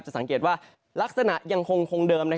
สังเกตว่าลักษณะยังคงเดิม